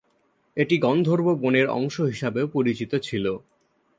এটি গন্ধর্ব বনের অংশ হিসাবেও পরিচিত ছিল।